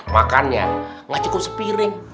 makannya nggak cukup sepiring